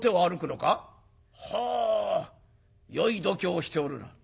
はあよい度胸をしておるな。